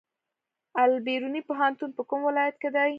البیروني پوهنتون په کوم ولایت کې دی؟